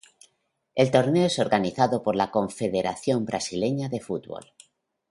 El torneo es organizado por la Confederación Brasileña de Fútbol.